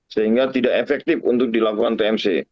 sehingga tidak efektif untuk dilakukan tmc